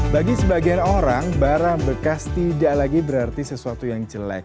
bagi sebagian orang barang bekas tidak lagi berarti sesuatu yang jelek